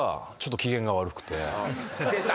出た。